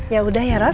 yaudah ya ros